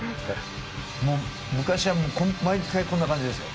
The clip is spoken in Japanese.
昔は毎回こんな感じですよ。